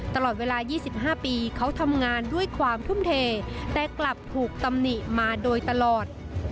ตลอดเวลา๒๕ปีเขาทำงานด้วยความทุ่มเทแต่กลับถูกตำหนิมาโดยตลอด